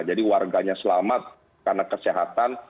jadi warganya selamat karena kesehatan